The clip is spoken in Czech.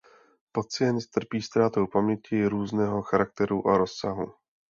Pacient trpí ztrátou paměti různého charakteru a rozsahu.